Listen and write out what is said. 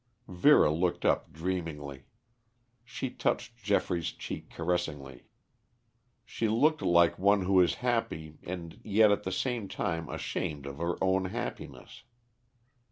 Vera looked up dreamingly. She touched Geoffrey's cheek caressingly. She looked like one who is happy and yet at the same time ashamed of her own happiness.